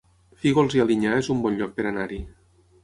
Fígols i Alinyà es un bon lloc per anar-hi